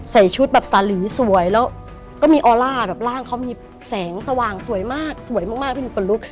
ใส่ชุดแบบสาหรี่สวยแล้วก็มีออร่าแบบร่างเค้ามีแสงสว่างสวยมากเป็นคนลุก